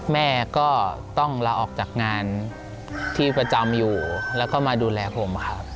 แม่ก็ต้องลาออกจากงานที่ประจำอยู่แล้วก็มาดูแลผมครับ